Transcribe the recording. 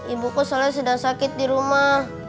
ibuku soalnya sudah sakit dirumah